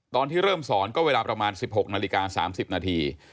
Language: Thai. ตอนที่เริ่มสอนก็เวลาประมาณ๑๖นาฬิกา๓๐นาที